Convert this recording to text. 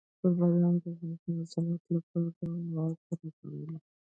دریابونه د افغانستان د صنعت لپاره مواد برابروي.